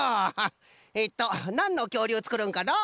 えっとなんのきょうりゅうつくるんかのう？